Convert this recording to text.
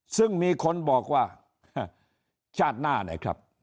ซึ่งมีคนบอกว่าชาติหน้าเนี่ยครับ